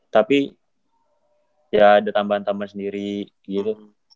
tapi ya ada tambahan tambahan sendiri gitu